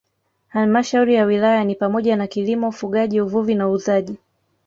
Halmashauri ya Wilaya ni pamoja na kilimo ufugaji uvuvi na uuzaji